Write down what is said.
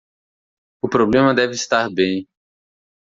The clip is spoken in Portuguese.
O problema deve estar bem